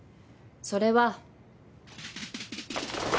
それは。